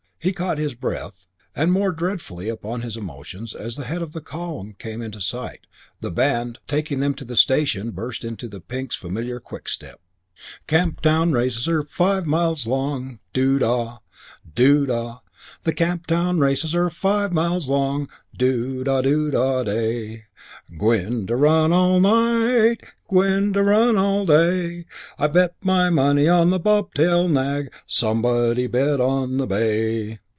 He caught his breath, and, more dreadfully upon his emotions, as the head of the column came into sight, the band, taking them to the station, burst into the Pinks' familiar quickstep. The Camp Town races are five miles long, Doo da! Doo da! The Camp Town races are five miles long, Doo da! Doo da! Day! Gwine to run all night. Gwine to run all day. I bet my money on the bob tail nag, Somebody bet on the bay!